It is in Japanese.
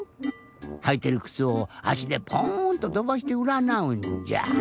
はいてるくつをあしでポーンととばしてうらなうんじゃ。